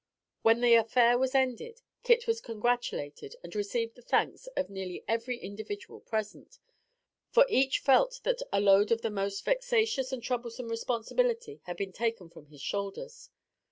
When the affair was ended, Kit was congratulated and received the thanks of nearly every individual present; for, each felt that a load of most vexatious and troublesome responsibility had been taken from his shoulders.